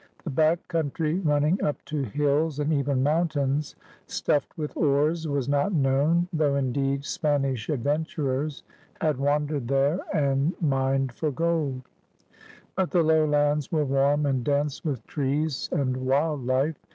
The back country, running up to hills and even mountains stuffed with ores, was not known — though indeed Spanish adventurers had wandered there and J GEORGIA 233 mined for gold. But the lowlands were warm and dense with trees and wild life.